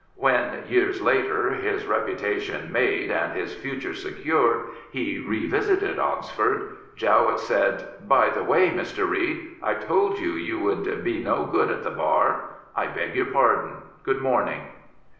'* When, years later, his reputation made and his future secure, he revisited Oxford, Jowett said, By the way, Mr. Reid, I told you you would 200 Lord Loreburn be no good at the Bar, I beg your pardon. Good morning.